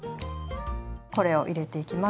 これを入れていきます。